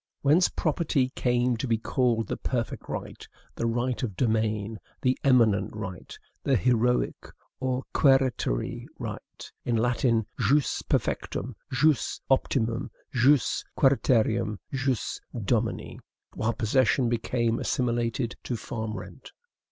Whence property came to be called the perfect right, the right of domain, the eminent right, the heroic or quiritaire right, in Latin, jus perfectum, jus optimum, jus quiritarium, jus dominii, while possession became assimilated to farm rent.